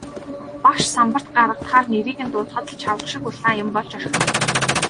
Багш самбарт гаргахаар нэрийг нь дуудахад л чавга шиг улаан юм болж орхино.